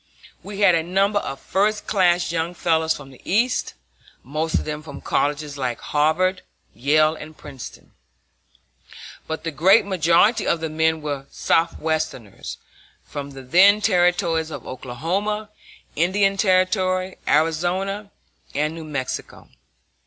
We had a number of first class young fellows from the East, most of them from colleges like Harvard, Yale, and Princeton; but the great majority of the men were Southwesterners, from the then territories of Oklahoma, Indian Territory, Arizona, and New Mexico.